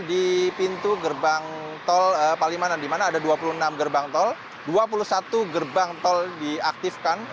di pintu gerbang tol palimanan di mana ada dua puluh enam gerbang tol dua puluh satu gerbang tol diaktifkan